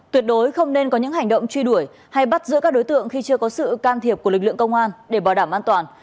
tuyệt đối không nên có những hành động truy đuổi hay bắt giữ các đối tượng khi chưa có sự can thiệp của lực lượng công an để bảo đảm an toàn